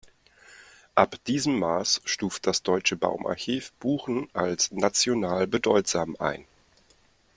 Ab diesem Maß stuft das Deutsche Baumarchiv Buchen als "national bedeutsam" ein.